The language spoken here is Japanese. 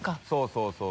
そうそう。